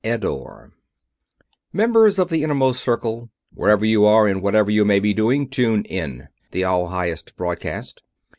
EDDORE "Members of the Innermost Circle, wherever you are and whatever you may be doing, tune in!" the All Highest broadcast.